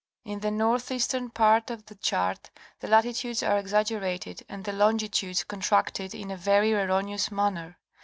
In the northeastern part of the chart, the latitudes are exaggerated and the longitudes contracted in a very erroneous manner.